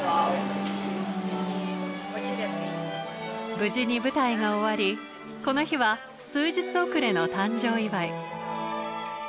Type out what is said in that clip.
無事に舞台が終わりこの日は数日遅れの誕生祝。